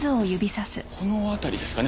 この辺りですかね。